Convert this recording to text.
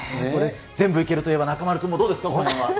全部いけるといえば中丸君、どうですか、このへんは。